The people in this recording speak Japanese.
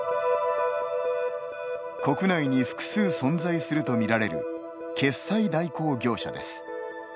国内に複数存在すると見られる決済代行業者です。